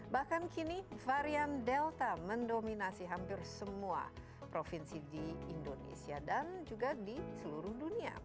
bahkan kini varian delta mendominasi hampir semua provinsi di indonesia dan juga di seluruh dunia